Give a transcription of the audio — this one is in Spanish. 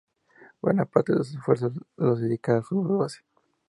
Buena parte de sus esfuerzos los dedica al fútbol base.